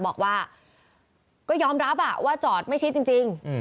บอกว่าก็ยอมรับว่าจอดไม่ชิดจริง